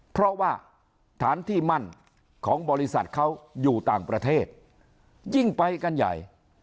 เพราะว่าฐานที่มั่นของบริษัทเขาอยู่ต่างประเทศยิ่งไปกันใหญ่